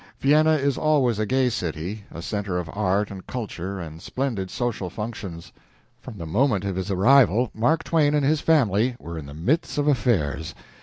Vienna is always a gay city, a center of art and culture and splendid social functions. From the moment of his arrival, Mark Twain and his family were in the midst of affairs.